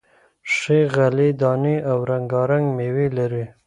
ښې غلې دانې او رنگا رنگ میوې لري،